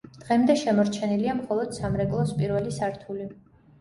დღემდე შემორჩენილია მხოლოდ სამრეკლოს პირველი სართული.